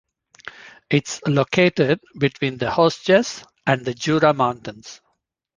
It is located between the Vosges and the Jura mountains.